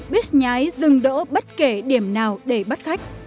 buýt nhái dừng đỗ bất kể điểm nào để bắt khách